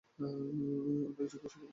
উল্লেখযোগ্য শিক্ষাপ্রতিষ্ঠান-